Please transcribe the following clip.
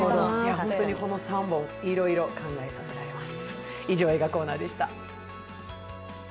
この３本、いろいろ考えさせられます。